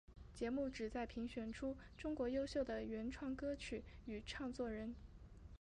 节目旨在评选出中国优秀的原创歌曲与唱作人。